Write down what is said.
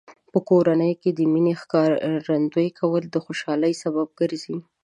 په کورنۍ کې د مینې ښکارندوی کول د خوشحالۍ سبب ګرځي.